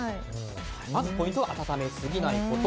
まずポイントは温めすぎないこと。